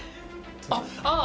あっああ！